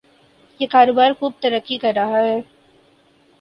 یہ کاروبار خوب ترقی کر رہا ہے۔